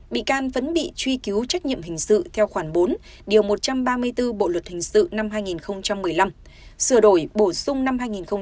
bị can vẫn bị truy cứu trách nhiệm hình sự theo khoản bốn điều một trăm ba mươi bốn bộ luật hình sự năm hai nghìn một mươi năm sửa đổi bổ sung năm hai nghìn một mươi bảy